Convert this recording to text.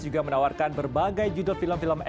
juga menawarkan berbagai judul film film